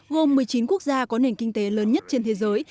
gồm một mươi chín quốc gia có nền kinh tế lớn nhất trên thế giới